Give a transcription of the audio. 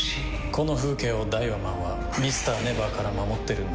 この風景をダイワマンはＭｒ．ＮＥＶＥＲから守ってるんだ。